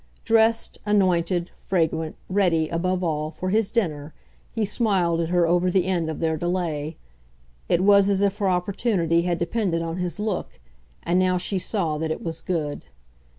Dressed, anointed, fragrant, ready, above all, for his dinner, he smiled at her over the end of their delay. It was as if her opportunity had depended on his look and now she saw that it was good.